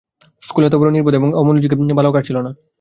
স্কুলে এতবড়ো নির্বোধ এবং অমনোযোগী বালক আর ছিল না।